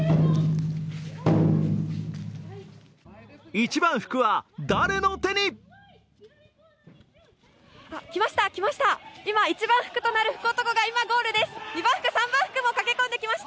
一番福は誰の手に？来ました、来ました！